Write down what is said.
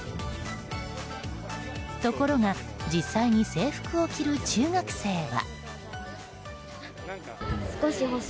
ところが実際に制服を着る中学生は。